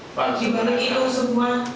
dibalik itu semua dibalik itu semua